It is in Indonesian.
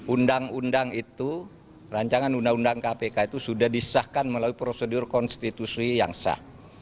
undang undang itu rancangan undang undang kpk itu sudah disahkan melalui prosedur konstitusi yang sah